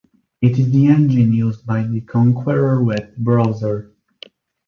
It is the engine used by the Konqueror web browser.